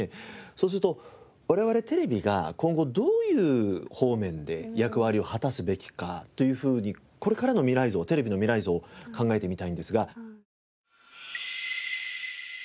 そうすると我々テレビが今後どういう方面で役割を果たすべきかというふうにこれからの未来像テレビの未来像考えてみたいんですが。